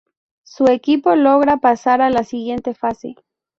Su equipo logra pasar a la siguiente fase.